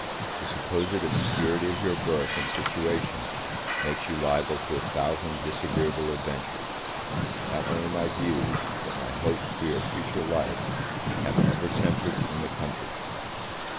The supposed obscurity of your birth and situation, makes you liable to a thousand disagreeable adventures. Not only my views, but my hopes for your future life, have ever centered in the country.